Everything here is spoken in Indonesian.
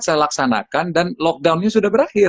saya laksanakan dan lockdownnya sudah berakhir